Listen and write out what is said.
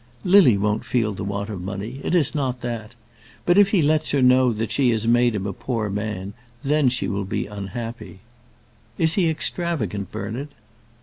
"Lily won't feel the want of money. It is not that. But if he lets her know that she has made him a poor man, then she will be unhappy. Is he extravagant, Bernard?"